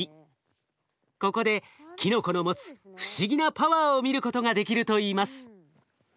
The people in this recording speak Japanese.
ここでキノコの持つ不思議なパワーを見ることができるといいます。